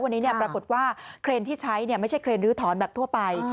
วันนี้ปรากฏว่าเครนที่ใช้ไม่ใช่เครนลื้อถอนแบบทั่วไป